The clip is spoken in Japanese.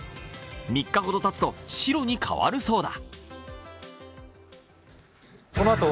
３日ほどたつと白に変わるそうだ。